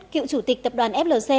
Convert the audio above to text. cựu chủ tịch tập đoàn flc